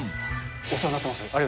お世話になっています。